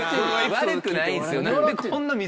悪くないんですよ。